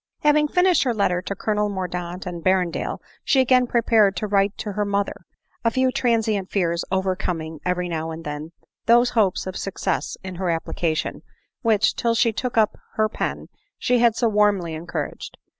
Having finished her letter to Colonel Mordaunt and Berrendale, she again prepared to write to her mother ; a few transient fears overcoming every now and then those hopes of success in her application, which, till she took up her pen, she had so warmly encouraged.